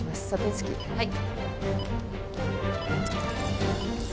はい。